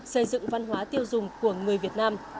xây dựng văn hóa tiêu dùng của người việt nam